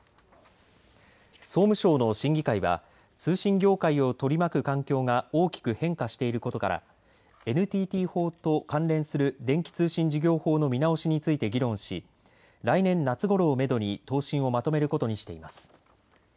総務省の審議会は通信業界を取り巻く環境が大きく変化していることからＮＴＴ法と関連する電気通信事業法の見直しについて議論し来年夏ごろをめどに答申をまとめることにしています。